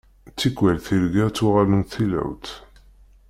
Tikwal tirga ttuɣalent d tilawt.